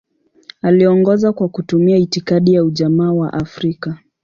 Aliongoza kwa kutumia itikadi ya Ujamaa wa Afrika.